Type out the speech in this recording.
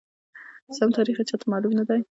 سم تاریخ یې چاته معلوم ندی،